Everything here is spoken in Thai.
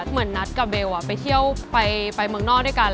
เหมือนนัทกับเบลไปเที่ยวไปเมืองนอกด้วยกัน